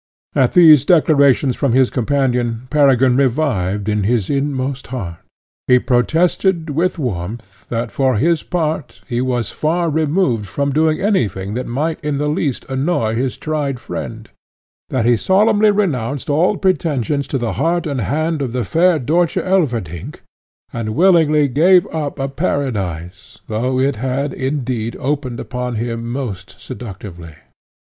At these declarations from his companion, Peregrine revived in his inmost heart. He protested with warmth, that for his part he was far removed from doing any thing that might in the least annoy his tried friend; that he solemnly renounced all pretensions to the heart and hand of the fair Dörtje Elverdink, and willingly gave up a paradise, though it had, indeed, opened upon him most seductively.